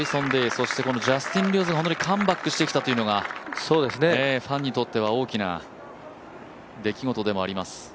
そしてジャスティン・トーマス、カムバックしてきたというのがファンにとっては大きな出来事でもあります。